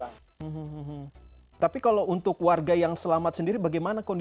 hmm tapi kalau untuk warga yang selamat sendiri bagaimana